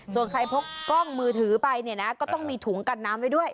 ส่วนใครพกกล้องมือถือไปเนี่ยนะก็ต้องมีถุงกันน้ำไว้ด้วย